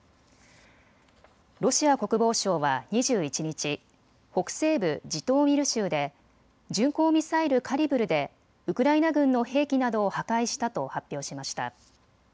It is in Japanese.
ロシア国防省は２１日、北西部ジトーミル州で巡航ミサイル、カリブルでウクライナ軍の兵器などを破壊したと発表しました。